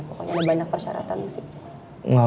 pokoknya ada banyak persyaratan sih